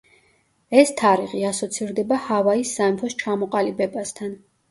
ეს თარიღი ასოცირდება ჰავაის სამეფოს ჩამოყალიბებასთან.